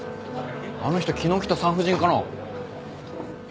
あの人昨日来た産婦人科の。